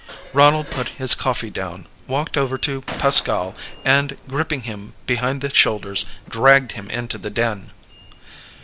Ronald put his coffee down, walked over to Pascal, and, gripping him behind the shoulders, dragged him into the den.